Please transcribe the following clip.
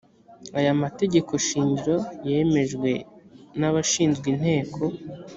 aya mategeko shingiro yemejwe n abashinzwe inteko